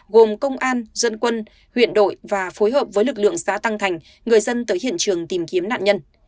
gồm công an dân quân huyện đội và phối hợp với lực lượng xã tăng thành người dân tới hiện trường tìm kiếm nạn nhân